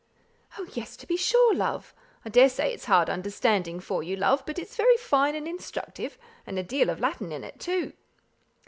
"Oh, yes, to be sure, love. I daresay it's hard understanding for you, love; but it's very fine and instructive, and a deal of Latin in it too."